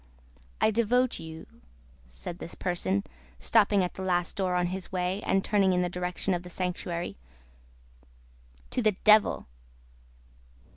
"I devote you," said this person, stopping at the last door on his way, and turning in the direction of the sanctuary, "to the Devil!"